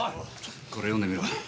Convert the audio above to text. これ読んでみろ。